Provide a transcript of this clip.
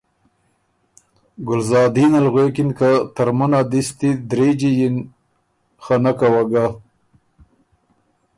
ګلزادین ال غوېکِن که ”ترمُن ا دِستی درېجی یِن“ خنکه وه ګۀ۔